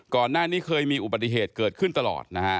ก่อนหน้านี้เคยมีอุบัติเหตุเกิดขึ้นตลอดนะฮะ